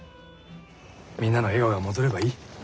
みんなの笑顔が戻ればいい。